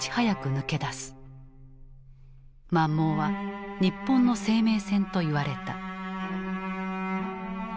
「満蒙は日本の生命線」と言われた。